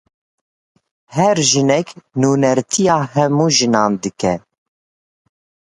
Her jinek nûnertiya hemû jinan dike.